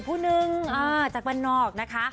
ผู้หนึ่งจากบ้านนอกนะคะ